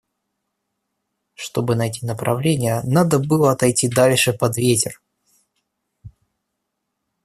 Чтобы найти направление, надо было отойти дальше под ветер.